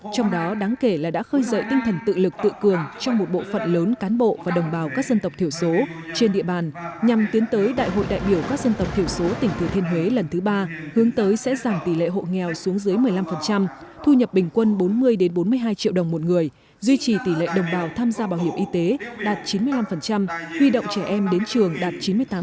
trong đó đáng kể là đã khơi dậy tinh thần tự lực tự cường trong một bộ phận lớn cán bộ và đồng bào các dân tộc thiểu số trên địa bàn nhằm tiến tới đại hội đại biểu các dân tộc thiểu số tỉnh thừa thiên huế lần thứ ba hướng tới sẽ giảm tỷ lệ hộ nghèo xuống dưới một mươi năm thu nhập bình quân bốn mươi bốn mươi hai triệu đồng một người duy trì tỷ lệ đồng bào tham gia bảo hiểm y tế đạt chín mươi năm huy động trẻ em đến trường đạt chín mươi tám